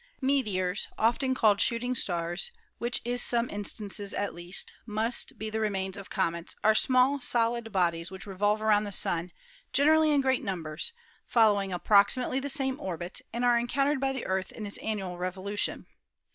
Meteors, often called shooting stars, which is some in stances, at least, must be the remains of comets, are small solid bodies which revolve around the Sun, generally in great numbers, following approximately the same orbit, and are encountered by the Earth in its annual revolution.